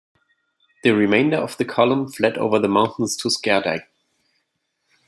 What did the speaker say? The remainder of the column fled over the mountains to Skerdagh.